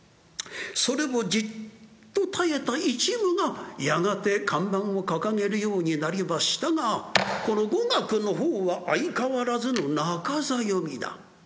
それをじっと耐えた一夢がやがて看板を掲げるようになりましたがこの五岳の方は相変わらずの中座読みだ。